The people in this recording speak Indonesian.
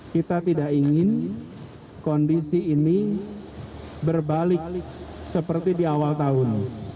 kita tidak ingin kondisi ini berbalik seperti di awal tahun